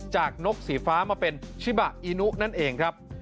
จากนกสีฟ้ามาเป็นชิบาอินุนั่นเอง